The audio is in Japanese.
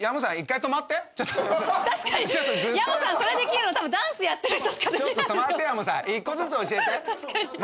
１個ずつ教えて。